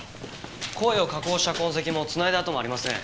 声を加工した痕跡もつないだ跡もありません。